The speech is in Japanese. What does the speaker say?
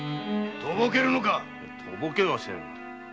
とぼけるのかとぼけはせん。